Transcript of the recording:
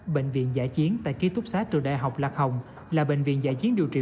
bệnh viện giải chiến tại ký túc xá trường đại học lạc hồng là bệnh viện giải chiến điều trị